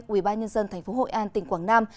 ubnd tp hội an tỉnh quảng nam